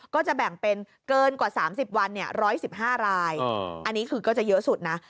ก็จะแบ่งเป็นเกินกว่า๓๐วัน๑๑๕รายอันนี้คือก็จะเยอะสุดนะ